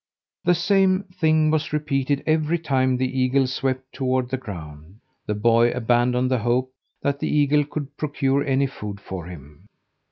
The same thing was repeated every time the eagle swept toward the ground. The boy abandoned the hope that the eagle could procure any food for him.